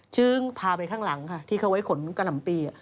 จึงพาไปข้างหลังค่ะที่เขาไว้ขนกะหล่ำปี